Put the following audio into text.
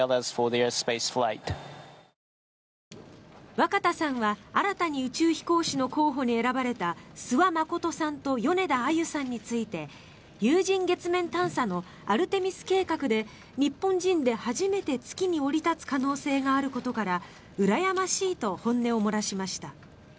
若田さんは、新たに宇宙飛行士の候補に選ばれた諏訪理さんと米田あゆさんについて有人月面探査のアルテミス計画で日本人で初めて月に降り立つ可能性があることからうらやましいと本音を漏らしました。